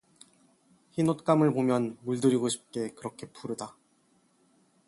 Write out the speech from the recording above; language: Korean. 흰 옷감을 보면 물들이고 싶게 그렇게 푸르다.